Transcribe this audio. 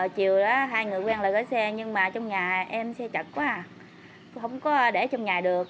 chiều đó hai người quen lại gói xe nhưng mà trong nhà em xe chật quá không có để trong nhà được